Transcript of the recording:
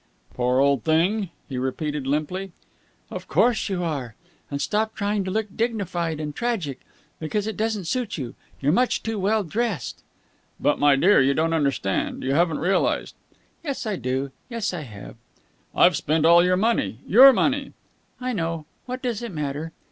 "Poor old thing?" he repeated limply. "Of course you are! And stop trying to look dignified and tragic! Because it doesn't suit you. You're much too well dressed." "But, my dear, you don't understand! You haven't realized!" "Yes, I do. Yes, I have!" "I've spent all your money your money!" "I know! What does it matter?"